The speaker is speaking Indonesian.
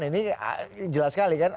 ini jelas sekali kan